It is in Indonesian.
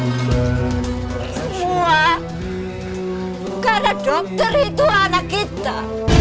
semua karena dokter itu anak kita